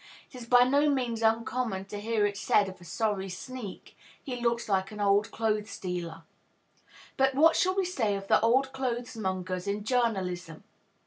It is by no means uncommon to hear it said of a sorry sneak, "He looks like an old clothes dealer." But what shall we say of the old clothes mongers in journalism?